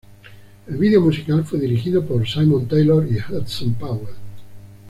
El video musical fue dirigido por Simon Taylor y Hudson-Powell.